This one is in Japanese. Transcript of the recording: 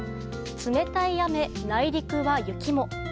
冷たい雨、内陸は雪も。